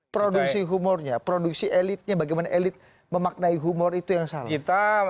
produksi humornya produksi elitnya bagaimana elit memaknai humor itu yang salah